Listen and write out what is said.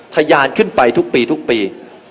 ทะยานขึ้นไปทุกปีทุกปี